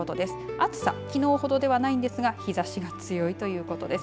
暑さは、きのうほどではありませんが日ざしが強いということです。